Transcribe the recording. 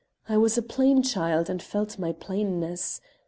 I was a plain child and felt my plainness.